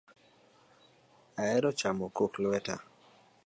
Ahero chamo kok lweta